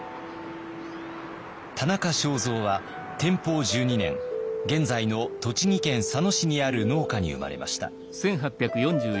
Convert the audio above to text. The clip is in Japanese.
田中正造は天保１２年現在の栃木県佐野市にある農家に生まれました。